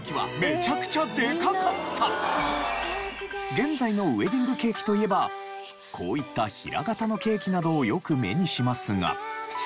現在のウエディングケーキといえばこういった平型のケーキなどをよく目にしますが。